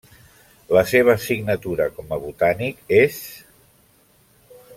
La seva signatura com a botànic és: